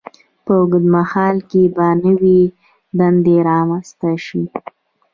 په اوږد مهال کې به نوې دندې رامینځته شي.